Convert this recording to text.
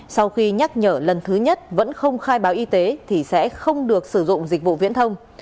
sau khi nhắc nhở lần thứ nhất vẫn không khai báo y tế thì sẽ không được sử dụng dịch vụ viễn thông